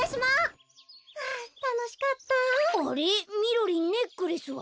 みろりんネックレスは？